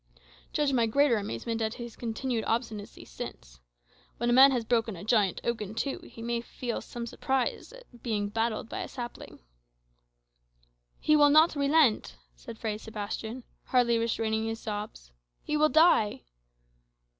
Judge my greater amazement at his continued obstinacy since. When a man has broken a giant oak in two, he may feel some surprise at being baffled by a sapling." "He will not relent," said Fray Sebastian, hardly restraining his sobs. "He will die."